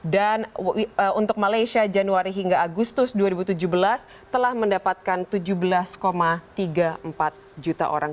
dan untuk malaysia januari hingga agustus dua ribu tujuh belas telah mendapatkan tujuh belas tiga puluh empat juta orang